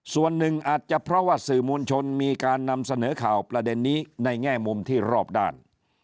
ส่วนหนึ่งอาจจะเพราะว่าสื่อมวลชนมีการนำเสนอข่าวประเด็นนี้ในแง่มุมที่รอบด้าน